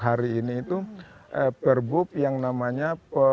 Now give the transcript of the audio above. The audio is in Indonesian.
hari ini itu perbub yang namanya